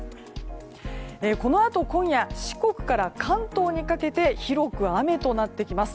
このあと今夜四国から関東にかけて広く雨となってきます。